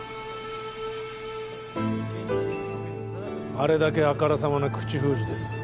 あれだけあからさまな口封じです